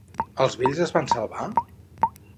Els vells es van salvar?